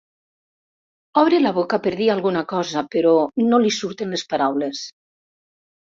Obre la boca per dir alguna cosa però no li surten les paraules.